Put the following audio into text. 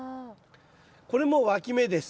これもわき芽です。